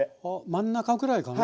真ん中くらいかな？